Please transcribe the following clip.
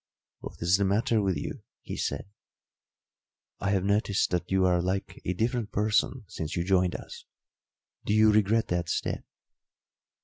"What is the matter with you?" he said. "I have noticed that you are like a different person since you joined us. Do you regret that step?"